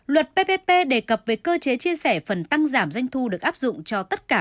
luật ppp đề cập về cơ chế chia sẻ phần tăng giảm doanh thu được áp dụng cho tất cả